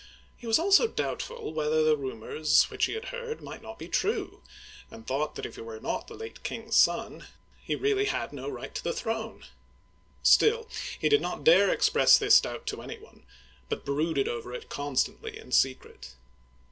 He was also doubtful whether the rumors which he had heard might not be true, and thought that if he were not the late king's son,. he really had no right to the throne; still, he did not dare express this doubt to any one, but brooded over it constantly in secret.